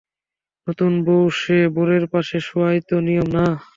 নতুন বৌ সে, বরের পাশে শোয়াই তো নিয়ম, না?